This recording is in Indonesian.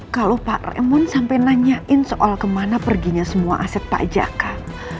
kalau pak raymond sampai nanyain soal kemana perginya semua aset pajakak